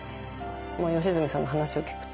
良純さんの話を聞くと。